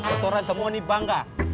kantoran semua ini bangga